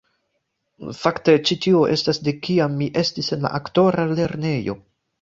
Fakte, ĉi tio estas de kiam mi estis en la aktora lernejo